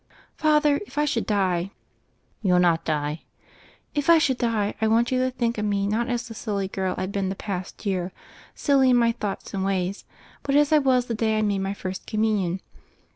"Father, if I should die " "You'll not die." "If I should die, I want you to think of me not as the silly girl I've been the past year, silly in my thoughts and ways, but as I was the day I made my First Communion?